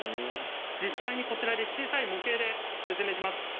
実際に小さい模型で説明します。